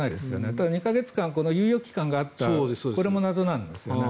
ただ、２か月間猶予期間があったこれも謎なんですね。